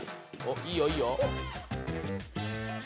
いいよいいよ。